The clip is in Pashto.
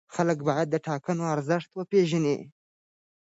خلک باید د ټاکنو ارزښت وپېژني